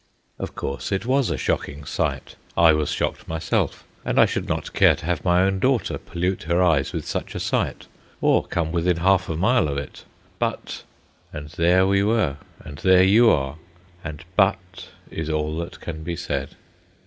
Of course it was a shocking sight, I was shocked myself. And I should not care to have my own daughter pollute her eyes with such a sight, or come within half a mile of it; but—and there we were, and there you are, and "but" is all that can be said.